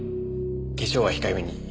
化粧は控えめに。